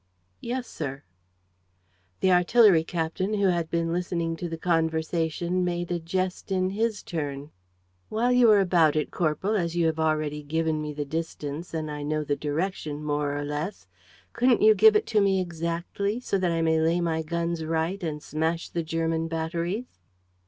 "Yes, sir." The artillery captain, who had been listening to the conversation, made a jest in his turn: "While you are about it, corporal, as you have already given me the distance and I know the direction more or less, couldn't you give it to me exactly, so that I may lay my guns right and smash the German batteries?"